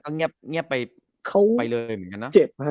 กาก้าเอากาก้าเหมือนกันนะ